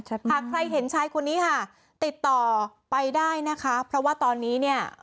หากใครเห็นชายคนนี้ค่ะติดต่อไปได้นะคะเพราะว่าตอนนี้เนี่ย